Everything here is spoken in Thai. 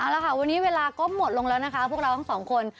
แล้วค่ะวันนี้เวลาก็หมดลงแล้วนะคะพวกเราทั้งสองคน